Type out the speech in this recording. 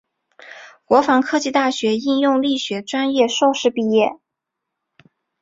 国防科技大学应用力学专业硕士毕业。